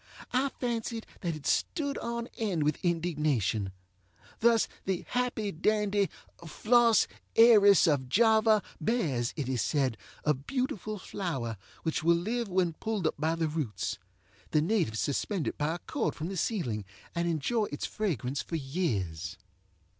I fancied that it stood on end with indignation. Thus the happy dandy Flos Aeris of Java bears, it is said, a beautiful flower, which will live when pulled up by the roots. The natives suspend it by a cord from the ceiling and enjoy its fragrance for years.